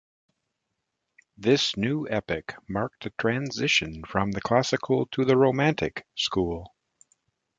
This new epic marked a transition from the classical to the romantic school.